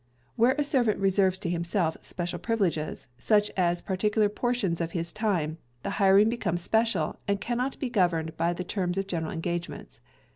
Where a Servant Reserves to Himself Special Privileges, such as particular portions of his time, the hiring becomes special, and cannot be governed by the terms of general engagements.